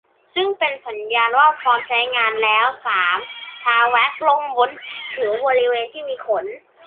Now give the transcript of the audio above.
ซึ่งเป็นสัญญาณว่าพร้อมใช้งานแล้ว สาม ทาแว็กซ์ลงบนผิวบริเวณที่มีขน